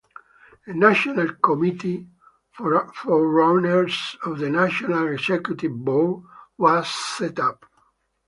A "national committee", forerunner of the National Executive Board, was set up.